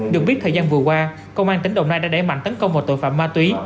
được biết thời gian vừa qua công an tỉnh đồng nai đã đẩy mạnh tấn công vào tội phạm ma túy